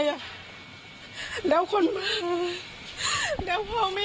มันติดติดขาดตายแทนเขาอีกได้เลย